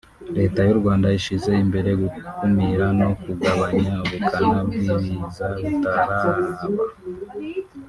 Leta y’u Rwanda ishyize imbere gukumira no kugabanya ubukana bw’ibiza bitaraba